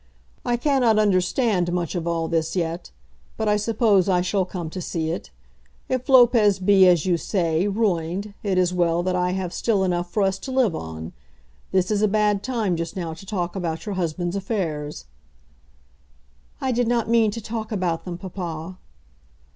I cannot understand much of all this yet, but I suppose I shall come to see it. If Lopez be, as you say, ruined, it is well that I have still enough for us to live on. This is a bad time just now to talk about your husband's affairs." "I did not mean to talk about them, papa."